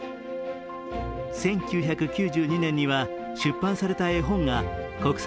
１９９２年には出版された絵本が国際